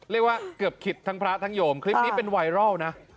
เรียกว่าเกือบคิดทั้งพระทั้งโยมคลิปนี้เป็นไวรัลนะ